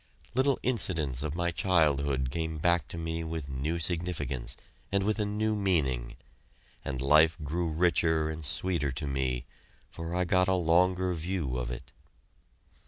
Little incidents of my childhood came back to me with new significance and with a new meaning, and life grew richer and sweeter to me, for I got a longer view of it.